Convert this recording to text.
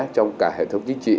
trong cả hệ thống chính trị